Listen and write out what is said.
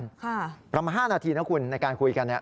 ค่ะปรับมา๕นาทีนะคุณในการคุยกันนี้